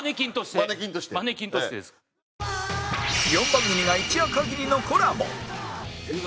４番組が一夜限りのコラボ